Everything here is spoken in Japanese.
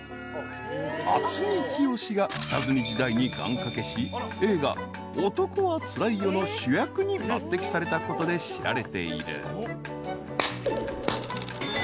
［渥美清が下積み時代に願掛けし映画『男はつらいよ』の主役に抜てきされたことで知られている］